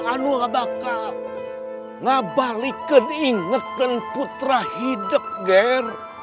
anu bakal nabalikan ingetan putra hidup ger